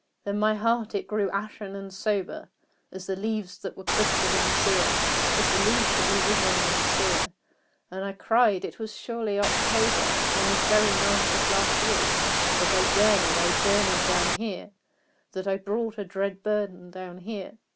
Then my heart it grew ashen and sober As the leaves that were crisped and sere As the leaves that were withering and sere; And I cried "It was surely October On this very night of last year That I journeyed I journeyed down here That I brought a dread burden down here!